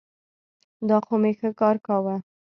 دا خو مي ښه کار کاوه.